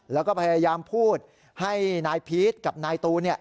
แล้วก็พยายามพูดให้นายพีชกับนายตูน